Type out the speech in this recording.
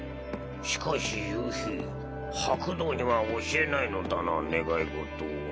しかし夕日白道には教えないのだな願い事。